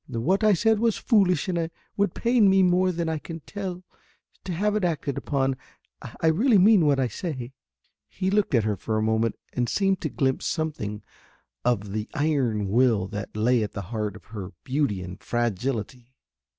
What I said was foolish and it would pain me more than I can tell to have it acted upon. I really mean what I say." He looked at her for a moment and seemed to glimpse something of the iron will that lay at the heart of her beauty and fragility.